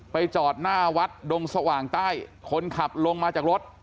จอดหน้าวัดดงสว่างใต้คนขับลงมาจากรถ